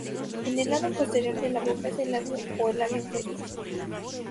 En el lado posterior de la boca es el labio o el labio inferior.